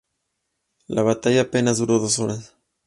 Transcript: La batalla apenas duró dos horas.